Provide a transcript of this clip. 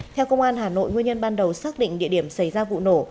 theo công an hà nội nguyên nhân ban đầu xác định địa điểm xảy ra vụ nổ